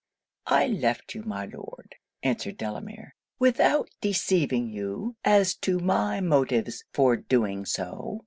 'I left you, my Lord,' answered Delamere, 'without deceiving you as to my motives for doing so.